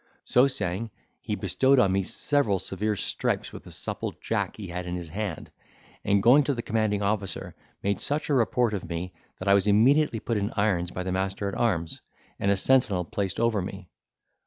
So saying, he bestowed on me several severe stripes with a supple jack he had in his hand: and, going to the commanding officer, made such a report of me, that I was immediately put in irons by the master at arms, and a sentinel placed over me.